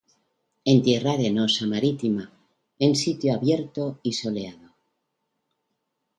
En tierra arenosa marítima, en sitio abierto y soleado.